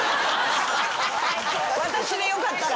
私でよかったら？